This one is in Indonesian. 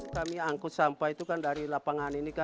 kami mengangkut sampah itu dari lapangan ini